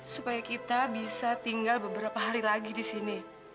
supaya kita bisa tinggal beberapa hari lagi disini